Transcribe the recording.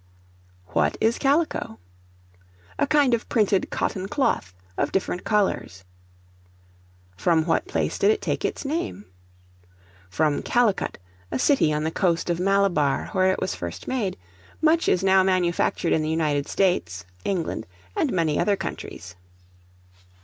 What is Calico? A kind of printed cotton cloth, of different colors. From what place did it take its name? From Calicut, a city on the coast of Malabar, where it was first made; much is now manufactured in the United States, England, and many other countries.